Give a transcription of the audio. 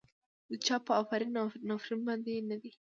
د چا په افرین او نفرين باندې نه دی اړ.